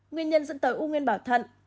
nguyên nhân dẫn tới u nguyên bảo thận